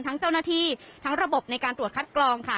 เจ้าหน้าที่ทั้งระบบในการตรวจคัดกรองค่ะ